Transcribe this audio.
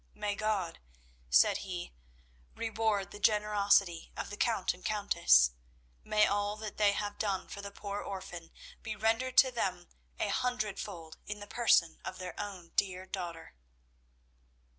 "May God," said he, "reward the generosity of the Count and Countess. May all that they have done for the poor orphan be rendered to them a hundredfold in the person of their own dear daughter!"